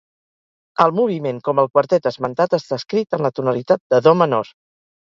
El moviment, com el quartet esmentat, està escrit en la tonalitat de Do menor.